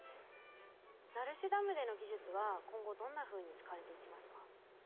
成瀬ダムでの技術は今後どんなふうに使われていきますか？